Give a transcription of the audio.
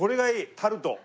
タルト。